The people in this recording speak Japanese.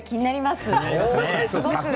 すごく。